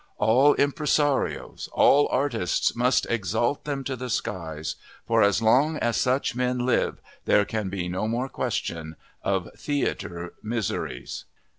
"All impresarios, all artists must exalt them to the skies; for as long as such men live there can be no more question of theatre miseries!"